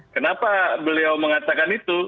kenapa beliau mengatakan itu